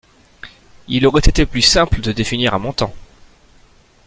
Il aurait été plus simple de définir un montant.